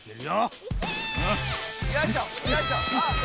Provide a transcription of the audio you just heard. よいしょよいしょ！